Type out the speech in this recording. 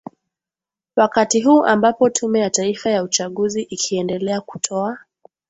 wakati huu ambapo tume ya taifa ya uchaguzi ikiendelea kutoa